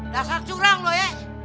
dasar curang lo ya